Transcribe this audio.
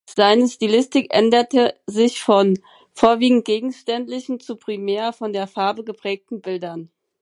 Seine Stilistik änderte sich von vorwiegend gegenständlichen zu primär von der Farbe geprägten Bildern.